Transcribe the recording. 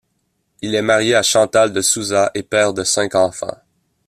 Il est marié à Chantal de Souza et père de cinq enfants.